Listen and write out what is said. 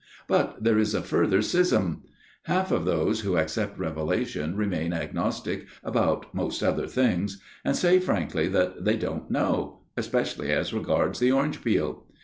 But there is a further schism. Half of those who accept revelation remain agnos tic about most other things, and say frankly that they don't know especially as regards the orange peel.